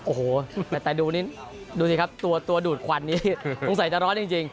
โอ้โหแต่ดูนี่ดูสิครับตัวดูดควันนี้สงสัยจะร้อนจริง